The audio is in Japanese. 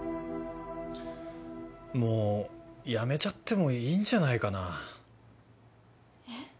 もうやめちゃってもいいんじゃないかえっ？